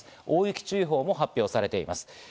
大雪注意報も発表されています。